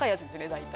大体。